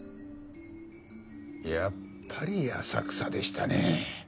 やっぱり浅草でしたね。